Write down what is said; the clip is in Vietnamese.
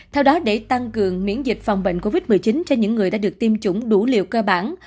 theo đó để tăng cường miễn dịch phòng bệnh covid một mươi chín cho những người đã được tiêm chủng đủ liều cơ bản